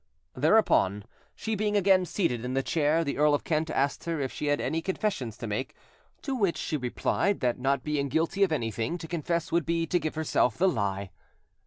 Thereupon,—she being again seated in the chair, the Earl of Kent asked her if she had any confession to make; to which she replied that, not being guilty of anything, to confess would be to give herself, the lie.